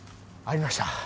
ありました。